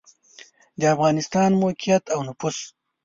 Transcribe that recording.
د افغانستان موقعیت او نفوس